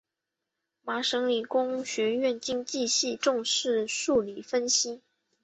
麻省理工学院经济系重视数理分析。